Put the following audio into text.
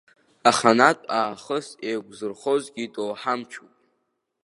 Аханатә аахыс еиқәзырхозгьы доуҳамчуп.